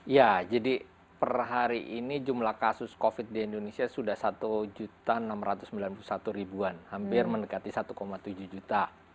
ya jadi per hari ini jumlah kasus covid di indonesia sudah satu enam ratus sembilan puluh satu ribuan hampir mendekati satu tujuh juta